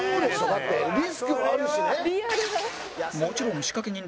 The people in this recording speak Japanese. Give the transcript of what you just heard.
だってリスクもあるしね。